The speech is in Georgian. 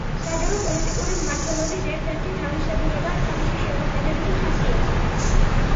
საჯარო-პოლიტიკური მმართველობის ერთ-ერთი თავისებურებაა თავისი შემოქმედებითი ხასიათი.